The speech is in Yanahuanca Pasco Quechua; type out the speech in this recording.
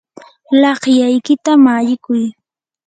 laqlaykita mallikuy.